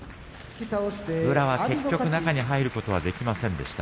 宇良は結局、中に入ることができませんでした。